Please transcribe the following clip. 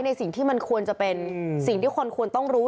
ในสิ่งที่มันควรจะเป็นสิ่งที่คนควรต้องรู้